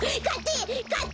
かって！